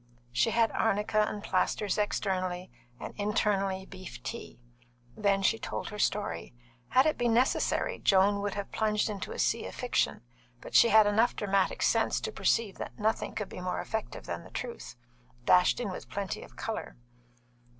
She had arnica and plasters externally, and internally beef tea. Then she told her story. Had it been necessary, Joan would have plunged into a sea of fiction, but she had enough dramatic sense to perceive that nothing could be more effective than the truth, dashed in with plenty of colour.